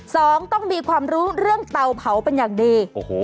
สองต้องมีความรู้เรื่องเตาเผาเป็นอย่างดีโอ้โห